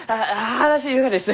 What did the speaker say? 話しゆうがです！